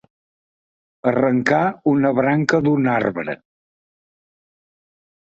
Arrencar una branca d'un arbre.